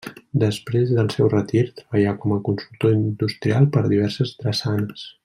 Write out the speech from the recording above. Després del seu retir treballà com a consultor industrial per diverses drassanes.